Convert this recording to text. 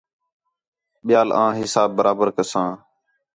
ٻِیال آں حِساب برابر کساں